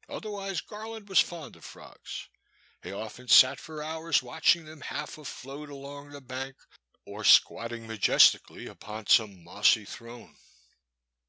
'* Otherwise Garland was fond of frogs; he often sat for hours watching them half afloat along the bank or squatting majestically upon some mossy throne.